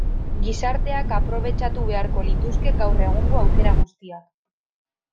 Gizarteak aprobetxatu beharko lituzke gaur egungo aukera guztiak.